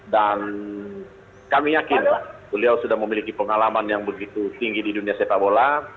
dan kami yakin beliau sudah memiliki pengalaman yang begitu tinggi di dunia sepak bola